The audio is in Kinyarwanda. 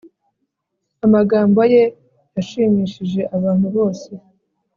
amagambo ye yashimishije abantu bose,